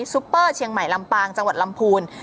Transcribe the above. ซุปเปอร์เชียงใหม่ลำปางจังหวัดลำพูน